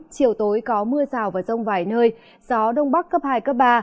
chiều tối có mưa rào và rông vài nơi gió đông bắc cấp hai cấp ba